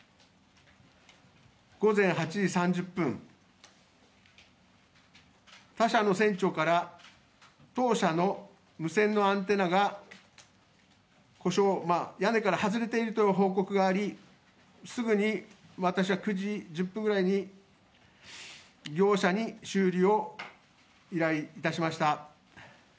午前８時３０分、他社の船長から当社の無線のアンテナが故障、屋根から外れているとの報告がありすぐに私は、９時１０分ぐらいに業者に修理を依頼いたしました。